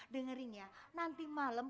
dengerin ya nanti malem